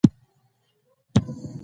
یو دا چې له علم سره خودداري زده کوي.